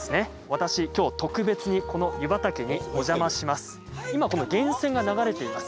私、きょう特別にこの湯畑にお邪魔します。